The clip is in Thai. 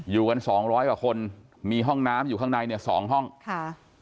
อยู่กันสองร้อยกว่าคนมีห้องน้ำอยู่ข้างในเนี่ยสองห้องค่ะ